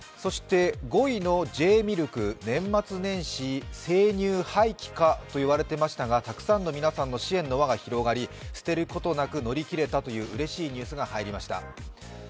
５位のＪミルク、年末年始、生乳廃棄かと言われていましたが、たくさんの皆さんの支援の輪が広がり捨てることなく乗り切れたといううれしいニュースが入りました。